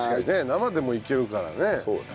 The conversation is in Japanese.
生でもいけるからね。